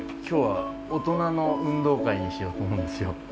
今日は大人の運動会にしようと思うんですよ